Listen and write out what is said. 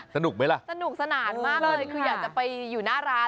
สนุกไหมล่ะสนุกสนานมากเลยคืออยากจะไปอยู่หน้าร้าน